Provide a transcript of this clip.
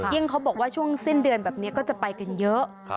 เขาบอกว่าช่วงสิ้นเดือนแบบนี้ก็จะไปกันเยอะ